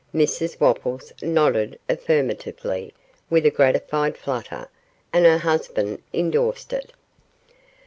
Mrs Wopples nodded affirmatively with a gratified flutter, and her husband endorsed it.